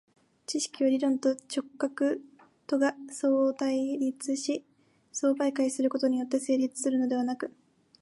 知識は論理と直覚とが相対立し相媒介することによって成立するのではなく、